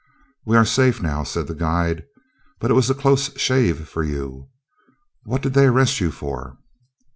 ] "We are safe now," said the guide, "but it was a close shave for you. What did they arrest you for?"